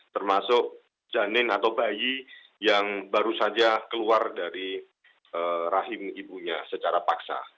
termasuk janin atau bayi yang baru saja keluar dari rahim ibunya secara paksa